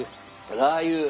ラー油。